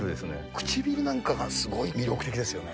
唇なんかがすごい魅力的ですよね。